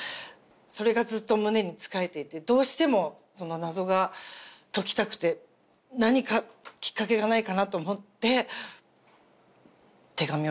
それがずっと胸につかえていてどうしてもその謎が解きたくて何かキッカケがないかなと思って手紙を出しました。